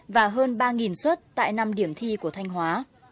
và hơn ba xuất tại năm điểm thi của thanh hóa